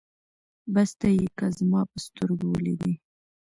بس ته يې که زما په سترګو وليدې